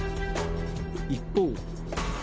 一方。